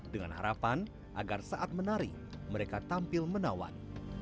dengan harapan agar saat menari mereka tampil menawan